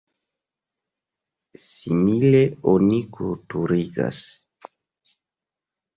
Simile oni kulturigas.